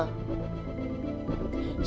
saya dan dewi